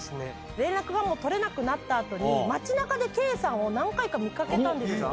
連絡が取れなくなったあとに、街なかでけいさんを何回か見かけたんですよ。